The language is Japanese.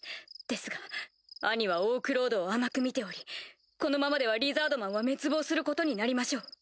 ですが兄はオークロードを甘く見ておりこのままではリザードマンは滅亡することになりましょう。